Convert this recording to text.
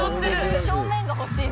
正面が欲しい。